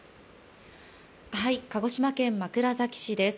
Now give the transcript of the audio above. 鹿児島県枕崎市です。